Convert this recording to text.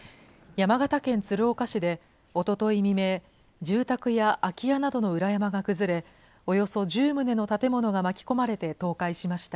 山形県鶴岡市でおととい未明、住宅や空き家などの裏山が崩れ、およそ１０棟の建物が巻き込まれて倒壊しました。